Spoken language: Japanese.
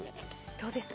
どうですか？